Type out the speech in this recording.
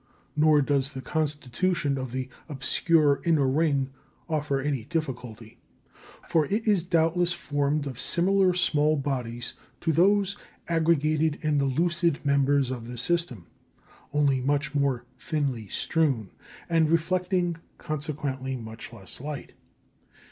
Nor does the constitution of the obscure inner ring offer any difficulty. For it is doubtless formed of similar small bodies to those aggregated in the lucid members of the system, only much more thinly strewn, and reflecting, consequently, much less light.